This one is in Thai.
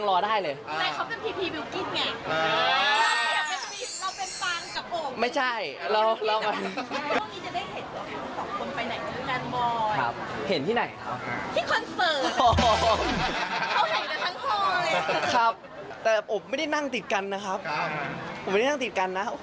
ผมเวลาช่วยเขาไปดูคอนเสิร์ตดังกัน